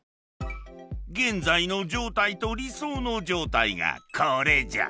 現在の状態と理想の状態がこれじゃ。